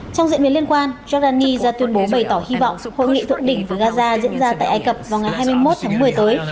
trong diễn biến liên quan giordani ra tuyên bố bày tỏ hy vọng hội nghị thượng đỉnh với gaza diễn ra tại ai cập vào ngày hai mươi một tháng một mươi tới